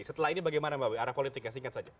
setelah ini bagaimana mbak wi arah politiknya singkat saja